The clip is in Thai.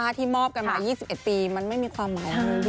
ที่มอบกันมา๒๑ปีมันไม่มีความหมาย